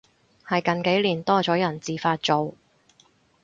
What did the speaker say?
係近幾年多咗人自發做